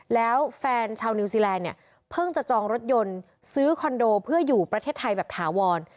แล้วแฟนชาวนิวซีแลนด์เนี่ยเพิ่งจะจองรถยนต์ซื้อคอนโดเพื่ออยู่ประเทศไทยแบบถาวร